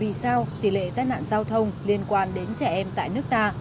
và chính điều này là một trong những lý do vì sao tỷ lệ tai nạn giao thông liên quan đến trẻ em tại nước ta